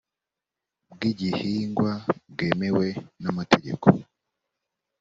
bw igihingwa bwemewe n amategeko